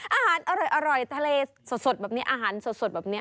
อาหารอร่อยทะเลสดแบบนี้อาหารสดแบบนี้